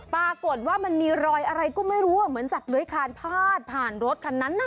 ปรากฏว่ามันมีรอยอะไรก็ไม่รู้ว่าเหมือนสัตว์เลื้อยคานพาดผ่านรถคันนั้นน่ะ